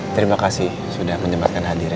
terima kasih sudah menjembatkan hadirnya